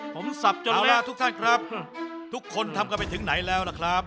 ผมสับจนแล้วทุกท่านครับทุกคนทำกันไปถึงไหนแล้วล่ะครับ